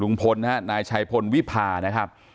นะฮะนายชัยพลวิพานะครับ